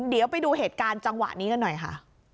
เดี๋ยวไปดูเหตุการณ์จังหวะนี้กันหน่อยค่ะ